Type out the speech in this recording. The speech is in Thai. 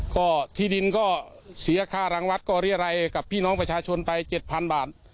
ก็ที่ดินก็เสียค่ารังวัดก็เรียรัยกับพี่น้องประชาชนไป๗๐๐บาท